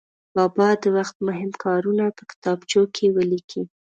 بابا د وخت مهم کارونه په کتابچو کې ولیکي.